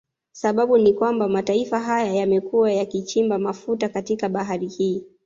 Sababau ni kwamba mataifa haya yamekuwa yakichimba mafuta katika bahari hii